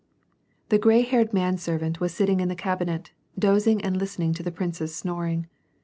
The gray haired man servant was sitting in the cabinet, doz ing and listening to the prince's snoring.